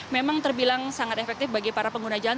memang terbilang sangat efektif bagi para pengguna jalan